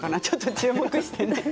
注目して。